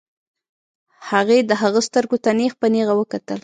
هغې د هغه سترګو ته نېغ په نېغه وکتل.